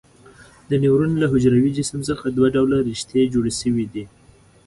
د نیورون له حجروي جسم څخه دوه ډوله رشتې جوړې شوي دي.